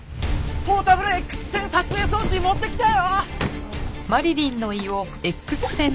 ポータブルＸ線撮影装置持ってきたよ！